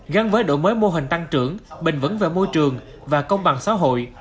gắn với đội mới mô hình tăng trưởng bình vẩn về môi trường và công bằng xã hội